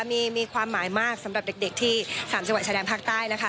มีความหมายมากสำหรับเด็กที่สามเจียวไหวชาแดมภาคใต้นะคะ